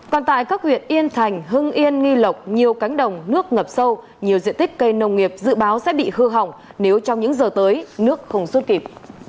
còn tại các huyện yên thành hưng yên nghi lộc nhiều cánh đồng nước ngập sâu nhiều diện tích cây nông nghiệp dự báo sẽ bị hư hỏng nếu trong những giờ tới nước không suốt kịp